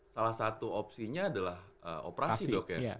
salah satu opsinya adalah operasi dok ya